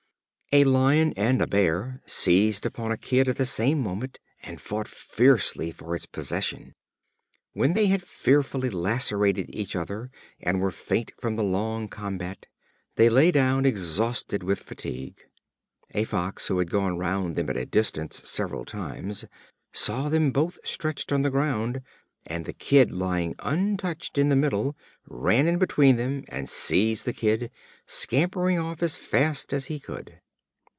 A Lion and a Bear seized upon a kid at the same moment, and fought fiercely for its possession. When they had fearfully lacerated each other, and were faint from the long combat, they lay down exhausted with fatigue. A Fox who had gone round them at a distance several times, saw them both stretched on the ground, and the Kid lying untouched in the middle, ran in between them, and seizing the Kid, scampered off as fast as he could.